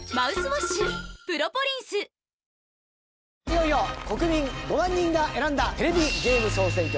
いよいよ、国民５万人が選んだ『テレビゲーム総選挙』